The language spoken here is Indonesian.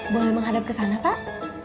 boleh menghadap kesana pak